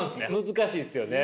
難しいですよね。